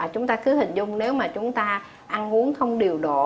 chúng ta cứ hình dung nếu mà chúng ta ăn uống không điều độ